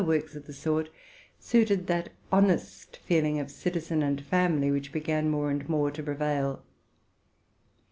sas works of the sort, suited that honest feeling of citizen and family which began more and more to prevail.